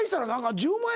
１０万円。